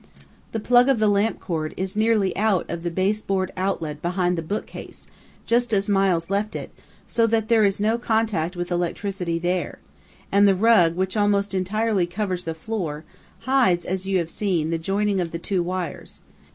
"The plug of the lamp cord is nearly out of the baseboard outlet behind the bookcase, just as Miles left it, so that there is no contact with electricity there. And the rug, which almost entirely covers the floor, hides, as you have seen, the joining of the two wires.